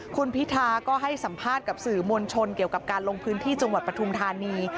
คุณพิธาก็ให้สัมภาษณ์กับสื่อมวลชนเกี่ยวกับการลงพื้นที่จังหวัดปทุมธานี